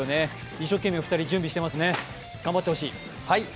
一生懸命２人、準備していますね、頑張ってほしい。